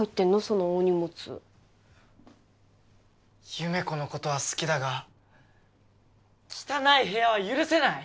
その大荷物優芽子のことは好きだが汚い部屋は許せない！